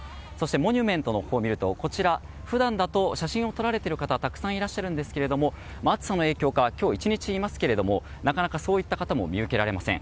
モニュメントのほうを見ると普段だと写真を撮られている方がたくさんいますが暑さの影響から今日１日いますがなかなか、そういった方も見受けられません。